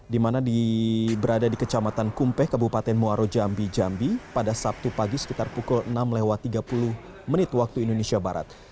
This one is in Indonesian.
di mana berada di kecamatan kumpeh kabupaten muaro jambi jambi pada sabtu pagi sekitar pukul enam lewat tiga puluh menit waktu indonesia barat